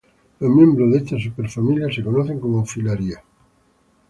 Los miembros de esta superfamilia se conocen como filarias.